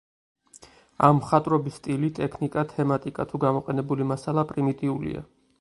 ამ მხატვრობის სტილი, ტექნიკა, თემატიკა თუ გამოყენებული მასალა პრიმიტიულია.